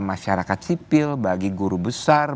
masyarakat sipil bagi guru besar